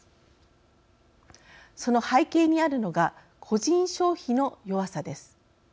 その背景にあるのが個人消費の弱さです。